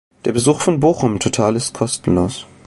Der Besuch von Bochum Total ist kostenlos.